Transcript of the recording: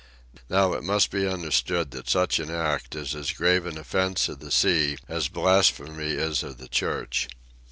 Now it must be understood that such an act is as grave an offence of the sea as blasphemy is of the Church.